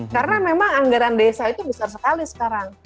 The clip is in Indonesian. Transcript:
karena memang anggaran desa itu besar sekali sekarang